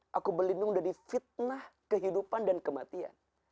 dan aku pun berlindung dari fitnah kehidupan dan kematian